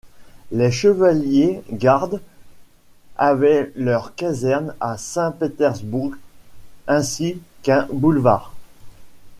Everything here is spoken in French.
Les chevaliers-gardes avaient leur caserne à Saint-Pétersbourg, ainsi qu’un boulevard.